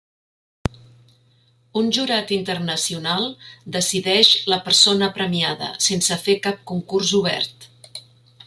Un jurat internacional decideix la persona premiada, sense fer cap concurs obert.